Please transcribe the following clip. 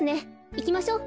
いきましょう。